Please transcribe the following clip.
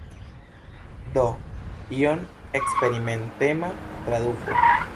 Do iom eksperimentema traduko.